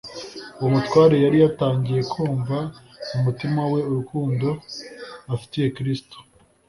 Uwo mutware yari yatangiye kumva mu mutima we urukundo afitiye Kristo,